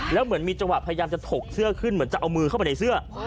แล้วเหมือนมีจังหวะพยายามจะถกเสื้อขึ้นเหมือนจะเอามือเข้าไปในเสื้อ